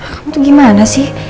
kamu tuh gimana sih